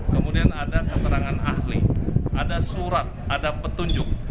kemudian ada keterangan ahli ada surat ada petunjuk